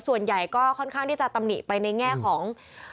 ส่วนใหญ่ก็ค่อนข้างที่จะตำหนิไปในแง่ของ